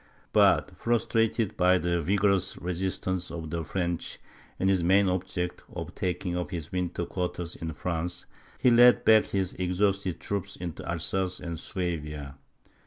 But frustrated by the vigorous resistance of the French, in his main object, of taking up his winter quarters in France, he led back his exhausted troops into Alsace and Swabia.